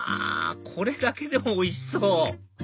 これだけでもおいしそう！